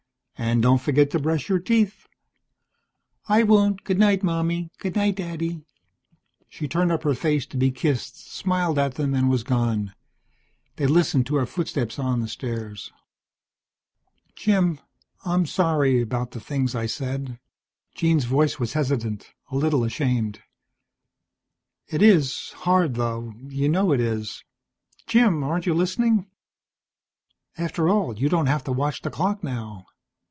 And don't forget to brush your teeth." "I won't. Goodnight, Mommy, goodnight, Daddy." She turned up her face to be kissed, smiled at them, and was gone. They listened to her footsteps on the stairs. "Jim, I'm sorry about the things I said." Jean's voice was hesitant, a little ashamed. "It is hard, though, you know it is Jim, aren't you listening? After all, you don't have to watch the clock now."